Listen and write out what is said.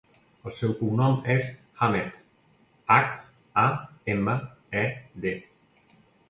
El seu cognom és Hamed: hac, a, ema, e, de.